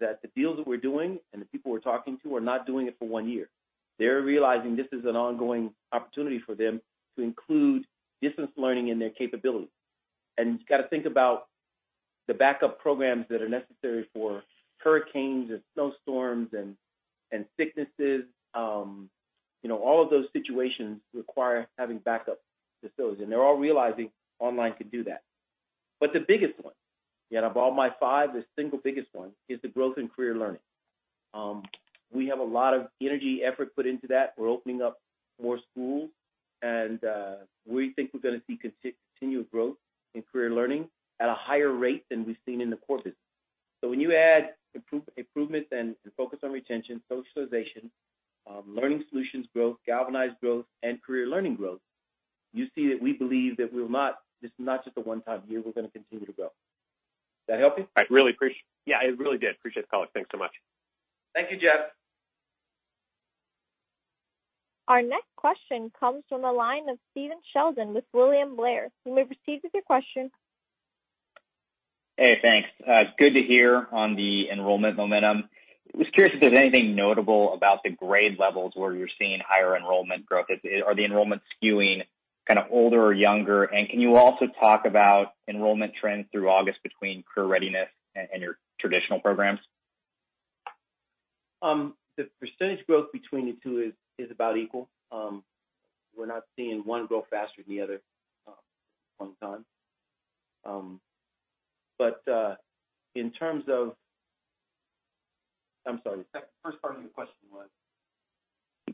the deals that we're doing and the people we're talking to are not doing it for one year. They're realizing this is an ongoing opportunity for them to include distance learning in their capability. And you've got to think about the backup programs that are necessary for hurricanes and snowstorms and sicknesses. All of those situations require having backup facilities. And they're all realizing online can do that. But the biggest one, out of all my five, the single biggest one is the growth in Career Learning. We have a lot of energy effort put into that. We're opening up more schools, and we think we're going to see continued growth in Career Learning at a higher rate than we've seen in the core business. So when you add improvements and focus on retention, socialization, Learning Solutions growth, Galvanize growth, and Career Learning growth, you see that we believe that this is not just a one-time year. We're going to continue to grow. Did that help you? I really appreciate it. Yeah, it really did. Appreciate the call. Thanks so much. Thank you, Jeff. Our next question comes from the line of Stephen Sheldon with William Blair. You may proceed with your question. Hey, thanks. Good to hear on the enrollment momentum. I was curious if there's anything notable about the grade levels where you're seeing higher enrollment growth. Are the enrollments skewing kind of older or younger? And can you also talk about enrollment trends through August between career readiness and your traditional programs? The percentage growth between the two is about equal. We're not seeing one grow faster than the other at the same time. But in terms of... I'm sorry. The first part of your question was?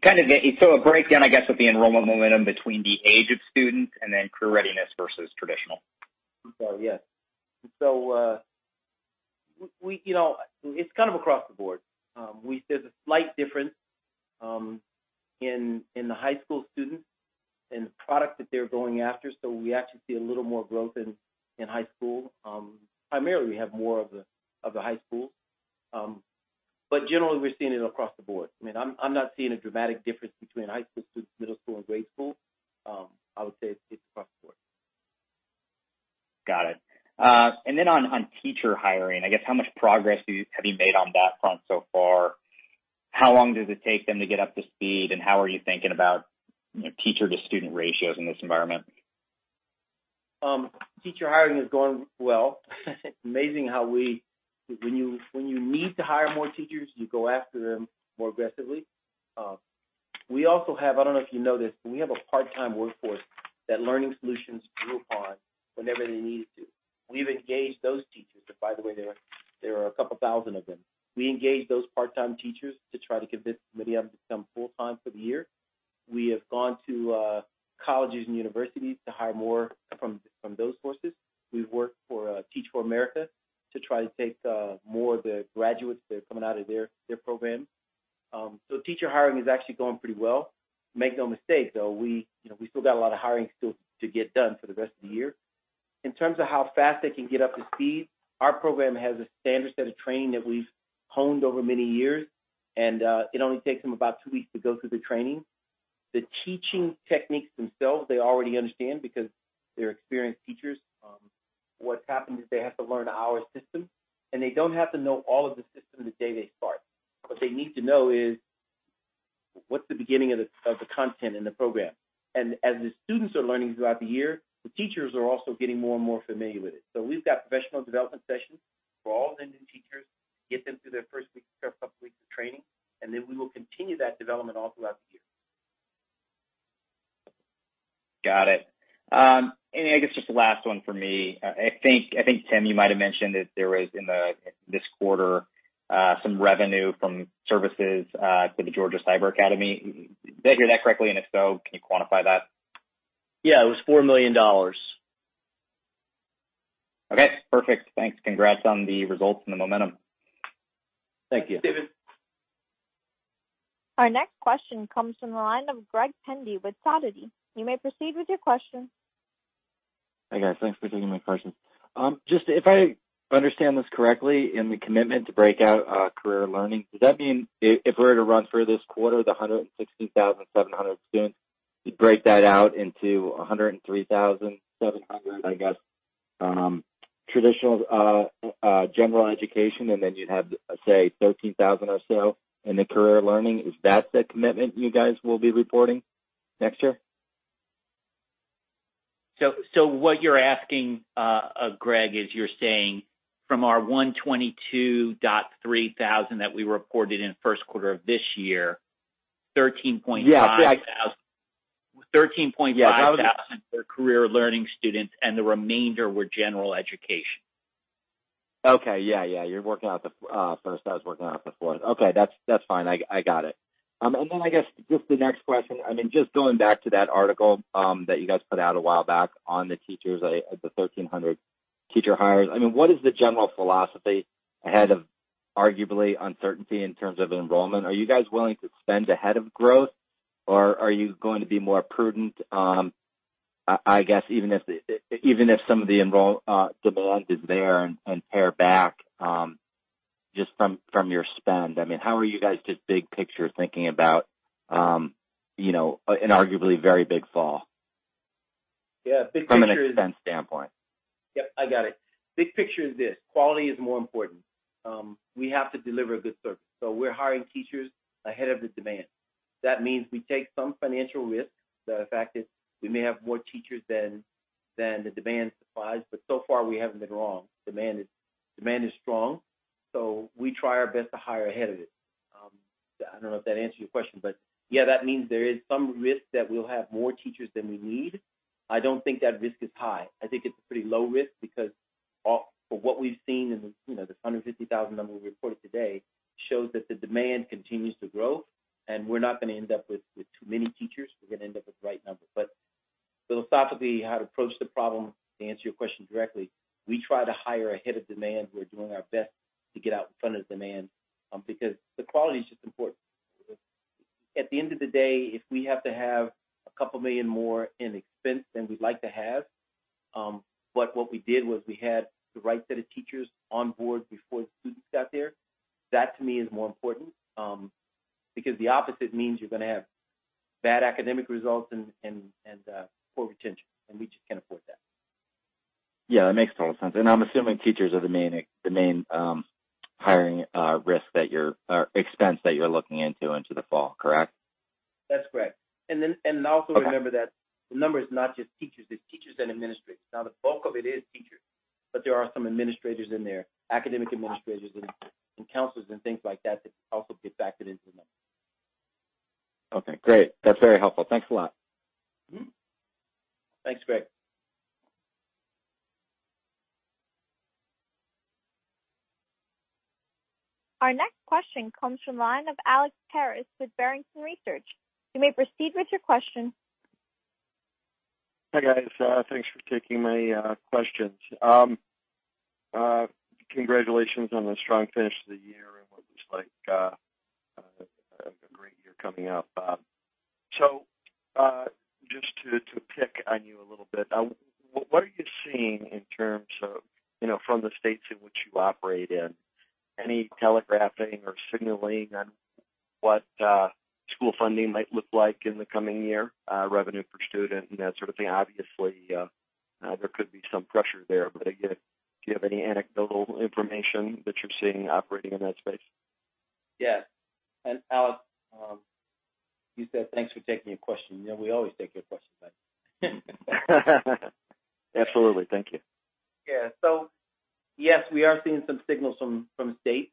Kind of a breakdown, I guess, of the enrollment momentum between the age of students and then career readiness versus traditional. I'm sorry. Yes. So it's kind of across the board. There's a slight difference in the high school students and the product that they're going after. So we actually see a little more growth in high school. Primarily, we have more of the high schools. But generally, we're seeing it across the board. I mean, I'm not seeing a dramatic difference between high school students, middle school, and grade school. I would say it's across the board. Got it. And then on teacher hiring, I guess, how much progress have you made on that front so far? How long does it take them to get up to speed, and how are you thinking about teacher-to-student ratios in this environment? Teacher hiring is going well. It's amazing how when you need to hire more teachers, you go after them more aggressively. We also have, I don't know if you know this, but we have a part-time workforce that Learning Solutions grew upon whenever they needed to. We've engaged those teachers, and by the way, there are a couple thousand of them. We engaged those part-time teachers to try to convince many of them to come full-time for the year. We have gone to colleges and universities to hire more from those sources. We've worked for Teach For America to try to take more of the graduates that are coming out of their programs. So teacher hiring is actually going pretty well. Make no mistake, though. We still got a lot of hiring still to get done for the rest of the year. In terms of how fast they can get up to speed, our program has a standard set of training that we've honed over many years, and it only takes them about two weeks to go through the training. The teaching techniques themselves, they already understand because they're experienced teachers. What's happened is they have to learn our system, and they don't have to know all of the system the day they start. What they need to know is what's the beginning of the content in the program. And as the students are learning throughout the year, the teachers are also getting more and more familiar with it. So we've got professional development sessions for all the new teachers, get them through their first week or couple weeks of training, and then we will continue that development all throughout the year. Got it. And I guess just the last one for me. I think, Tim, you might have mentioned that there was, in this quarter, some revenue from services to the Georgia Cyber Academy. Did I hear that correctly? And if so, can you quantify that? Yeah, it was $4 million. Okay. Perfect. Thanks. Congrats on the results and the momentum. Thank you. Stephen. Our next question comes from the line of Greg Pendy with Sidoti. You may proceed with your question. Hey, guys. Thanks for taking my questions. Just if I understand this correctly, in the commitment to break out Career Learning, does that mean if we were to run for this quarter, the 116,700 students, you'd break that out into 103,700, I guess, traditional General Education, and then you'd have, say, 13,000 or so in the Career Learning? Is that the commitment you guys will be reporting next year? So what you're asking, Greg, is you're saying from our 122,300 that we reported in the first quarter of this year, 13,500 were Career Learning students, and the remainder were General Education. Okay. Yeah, yeah. You're working out the first. I was working out the fourth. Okay. That's fine. I got it. And then I guess just the next question, I mean, just going back to that article that you guys put out a while back on the teachers, the 1,300 teacher hires, I mean, what is the general philosophy ahead of arguably uncertainty in terms of enrollment? Are you guys willing to spend ahead of growth, or are you going to be more prudent, I guess, even if some of the demand is there and pare back just from your spend? I mean, how are you guys just big picture thinking about an arguably very big fall from an expense standpoint? Yeah, I got it. Big picture is this. Quality is more important. We have to deliver a good service. So we're hiring teachers ahead of the demand. That means we take some financial risk. The fact is we may have more teachers than the demand supplies, but so far, we haven't been wrong. Demand is strong. So we try our best to hire ahead of it. I don't know if that answers your question, but yeah, that means there is some risk that we'll have more teachers than we need. I don't think that risk is high. I think it's a pretty low risk because for what we've seen in this 150,000 number we reported today shows that the demand continues to grow, and we're not going to end up with too many teachers. We're going to end up with the right number. But philosophically, how to approach the problem, to answer your question directly, we try to hire ahead of demand. We're doing our best to get out in front of the demand because the quality is just important. At the end of the day, if we have to have a couple million more in expense than we'd like to have. But what we did was we had the right set of teachers on board before the students got there. That, to me, is more important because the opposite means you're going to have bad academic results and poor retention, and we just can't afford that. Yeah, that makes total sense. And I'm assuming teachers are the main hiring risk or expense that you're looking into the fall, correct? That's correct. And also remember that the number is not just teachers. There's teachers and administrators. Now, the bulk of it is teachers, but there are some administrators in there, academic administrators and counselors and things like that that also get factored into the number. Okay. Great. That's very helpful. Thanks a lot. Thanks, Greg. Our next question comes from the line of Alex Paris with Barrington Research. You may proceed with your question. Hi, guys. Thanks for taking my questions. Congratulations on the strong finish of the year and what looks like a great year coming up. So just to pick on you a little bit, what are you seeing in terms of from the states in which you operate in, any telegraphing or signaling on what school funding might look like in the coming year? Revenue per student and that sort of thing. Obviously, there could be some pressure there. But again, do you have any anecdotal information that you're seeing operating in that space? Yeah. And Alex, you said thanks for taking your question. We always take your questions, guys. Absolutely. Thank you. Yeah. So yes, we are seeing some signals from states.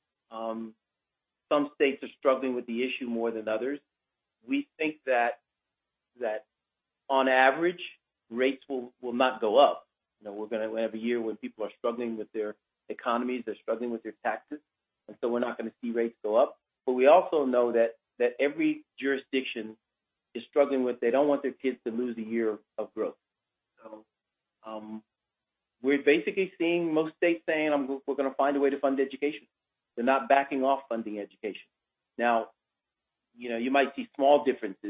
Some states are struggling with the issue more than others. We think that on average, rates will not go up. We're going to have a year when people are struggling with their economies. They're struggling with their taxes. And so we're not going to see rates go up. But we also know that every jurisdiction is struggling with they don't want their kids to lose a year of growth. So we're basically seeing most states saying, "We're going to find a way to fund education." They're not backing off funding education. Now, you might see small differences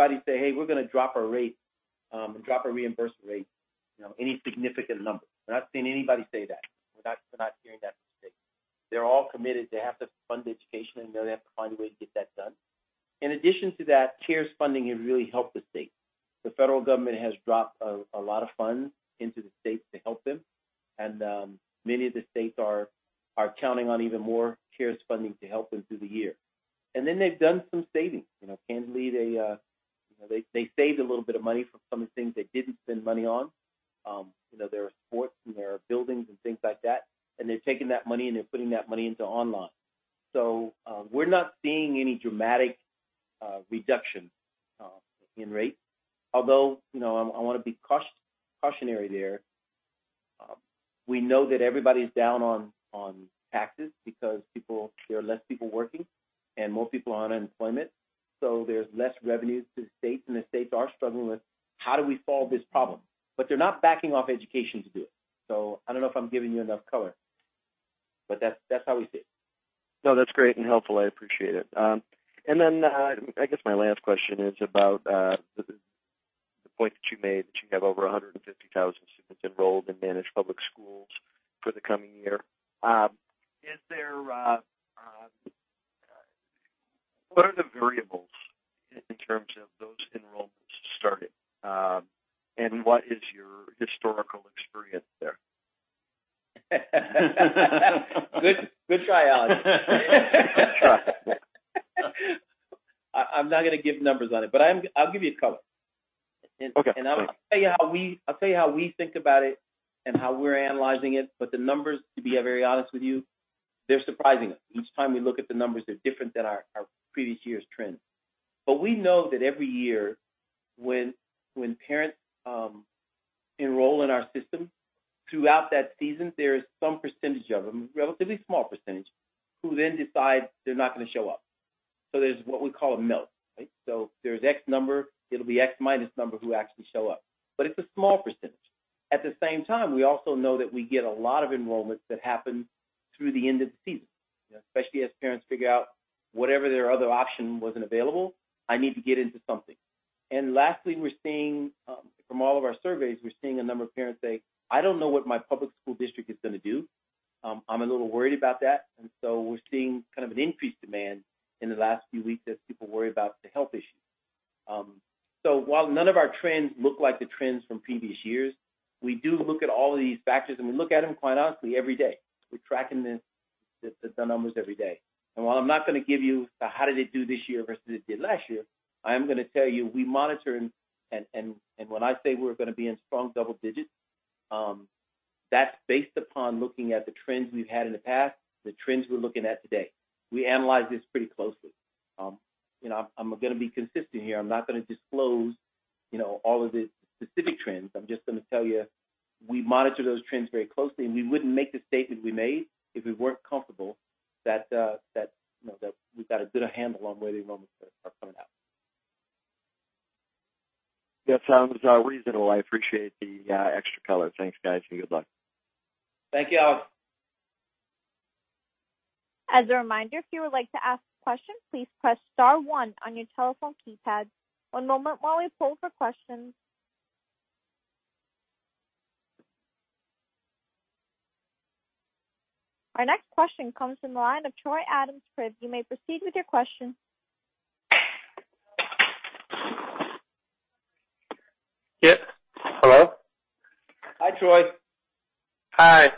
in the 1%-2% kind of change, but we're not seeing anybody say, "Hey, we're going to drop our rates and drop our reimbursement rates," any significant number. We're not seeing anybody say that. We're not hearing that from states. They're all committed. They have to fund education, and they'll have to find a way to get that done. In addition to that, CARES funding has really helped the states. The federal government has dropped a lot of funds into the states to help them, and many of the states are counting on even more CARES funding to help them through the year, and then they've done some saving. Candidly, they saved a little bit of money from some of the things they didn't spend money on. There are sports and there are buildings and things like that, and they're taking that money, and they're putting that money into online, so we're not seeing any dramatic reduction in rates. Although I want to be cautionary there, we know that everybody's down on taxes because there are fewer people working and more people on unemployment. So there's less revenue to the states, and the states are struggling with, "How do we solve this problem?" But they're not backing off education to do it. So I don't know if I'm giving you enough color, but that's how we see it. No, that's great and helpful. I appreciate it. And then I guess my last question is about the point that you made that you have over 150,000 students enrolled in managed public schools for the coming year. What are the variables in terms of those enrollments starting, and what is your historical experience there? Good try, Alex. I'm not going to give numbers on it, but I'll give you color. And I'll tell you how we think about it and how we're analyzing it. But the numbers, to be very honest with you, they're surprising us. Each time we look at the numbers, they're different than our previous year's trend. But we know that every year when parents enroll in our system, throughout that season, there is some percentage of them, a relatively small percentage, who then decide they're not going to show up. So there's what we call a melt, right? So there's X number. It'll be X minus number who actually show up. But it's a small percentage. At the same time, we also know that we get a lot of enrollments that happen through the end of the season, especially as parents figure out whatever their other option wasn't available, "I need to get into something." And lastly, from all of our surveys, we're seeing a number of parents say, "I don't know what my public school district is going to do. I'm a little worried about that," and so we're seeing kind of an increased demand in the last few weeks as people worry about the health issues. So while none of our trends look like the trends from previous years, we do look at all of these factors, and we look at them quite honestly every day. We're tracking the numbers every day. And while I'm not going to give you how did it do this year versus it did last year, I am going to tell you we monitor, and when I say we're going to be in strong double digits, that's based upon looking at the trends we've had in the past, the trends we're looking at today. We analyze this pretty closely. I'm going to be consistent here. I'm not going to disclose all of the specific trends. I'm just going to tell you we monitor those trends very closely, and we wouldn't make the statement we made if we weren't comfortable that we've got a good handle on where the enrollments are coming out. That sounds reasonable. I appreciate the extra color. Thanks, guys, and good luck. Thank you, Alex. As a reminder, if you would like to ask a question, please press star one on your telephone keypad. One moment while we poll for questions. Our next question comes from the line of Troy Adam Smith. You may proceed with your question. Yep. Hello? Hi, Troy. Hi.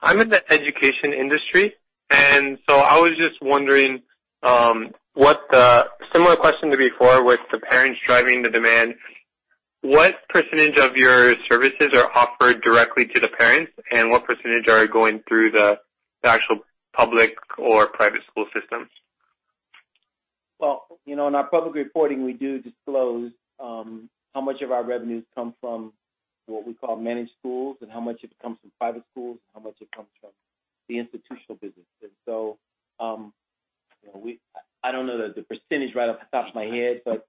I'm in the education industry, and so I was just wondering what the similar question to before with the parents driving the demand, what percentage of your services are offered directly to the parents, and what percentage are going through the actual public or private school systems? In our public reporting, we do disclose how much of our revenues come from what we call managed schools and how much of it comes from private schools and how much of it comes from the institutional business. So I don't know the percentage right off the top of my head, but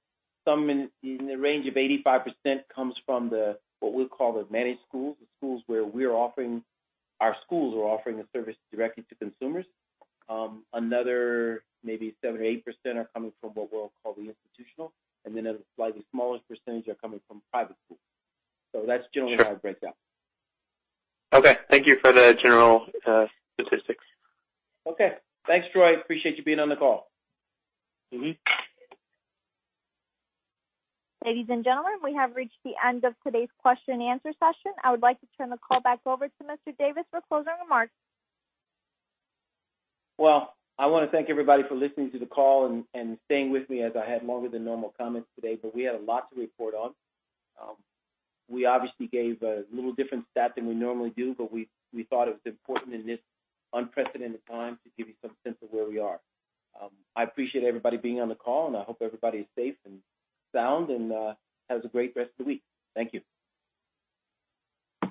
in the range of 85% comes from what we'll call the managed schools, the schools where we're offering our schools are offering the service directly to consumers. Another maybe 7 or 8% are coming from what we'll call the institutional, and then a slightly smaller percentage are coming from private schools. So that's generally how it breaks out. Okay. Thank you for the general statistics. Okay. Thanks, Troy. Appreciate you being on the call. Ladies and gentlemen, we have reached the end of today's question-and-answer session. I would like to turn the call back over to Mr. Davis for closing remarks. I want to thank everybody for listening to the call and staying with me as I had longer than normal comments today, but we had a lot to report on. We obviously gave a little different stat than we normally do, but we thought it was important in this unprecedented time to give you some sense of where we are. I appreciate everybody being on the call, and I hope everybody is safe and sound and has a great rest of the week. Thank you.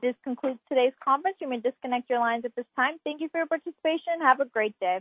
This concludes today's conference. You may disconnect your lines at this time. Thank you for your participation. Have a great day.